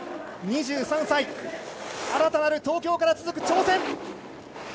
２３歳、新たなる東京から続く挑戦。